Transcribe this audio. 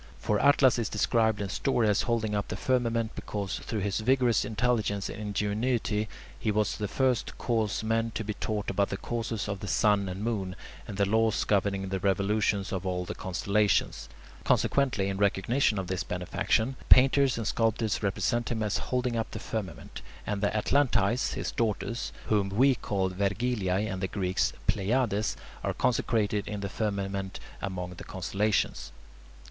For Atlas is described in story as holding up the firmament because, through his vigorous intelligence and ingenuity, he was the first to cause men to be taught about the courses of the sun and moon, and the laws governing the revolutions of all the constellations. Consequently, in recognition of this benefaction, painters and sculptors represent him as holding up the firmament, and the Atlantides, his daughters, whom we call "Vergiliae" and the Greeks [Greek: Pleiades], are consecrated in the firmament among the constellations. 7.